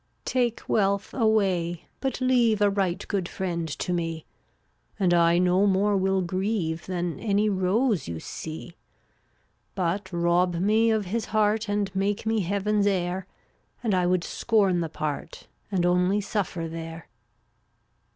385 Take wealth away, but leave &}mAt A right good friend to me, m And I no more will grieve \J*t' Than any rose you see. attM/t But rob me of his heart * UT, 3 And make me Heaven's heir, And I would scorn the part And only suffer there.